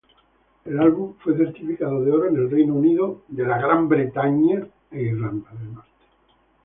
El álbum fue certificado de oro en el Reino Unido e Irlanda.